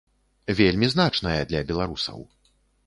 Вельмі значная для беларусаў.